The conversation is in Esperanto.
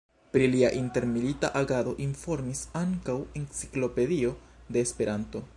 Pri lia intermilita agado informis ankaŭ Enciklopedio de Esperanto.